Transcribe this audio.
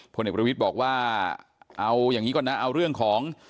ผลเอกประวิทย์บอกว่าเอาอย่างนี้ก่อนนะเอาเรื่องของ